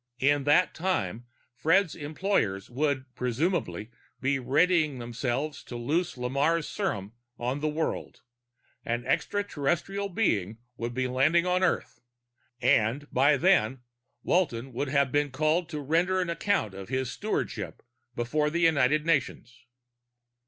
In that time, Fred's employers would presumably be readying themselves to loose Lamarre's serum on the world; an extraterrestrial being would be landing on Earth and, by then, Walton would have been called to render an account of his stewardship before the United Nations.